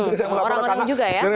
orang orang juga ya